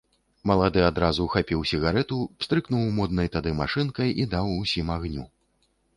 Малады адразу хапіў сігарэту, пстрыкнуў моднай тады машынкай і даў усім агню.